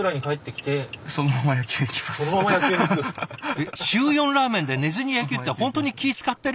えっ週４ラーメンで寝ずに野球って本当に気遣ってる？